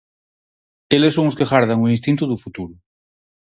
Eles son os que gardan o instinto do futuro.